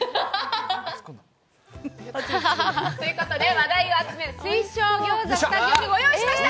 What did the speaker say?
話題を集める水晶餃子をスタジオにご用意しました。